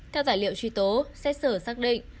theo tài liệu truy tố xét xử xác định